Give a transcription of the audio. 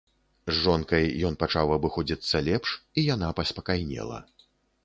З жонкай ён пачаў абыходзіцца лепш, і яна паспакайнела.